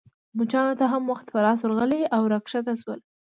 مچانو ته هم وخت په لاس ورغلی او راکښته شول.